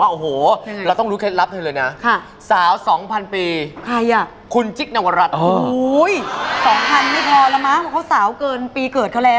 ๒๐๐๐ไม่พอแล้วมั้งเพราะเขาสาวเกินปีเกิดเขาแล้ว